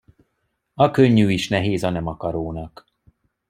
A könnyű is nehéz a nemakarónak.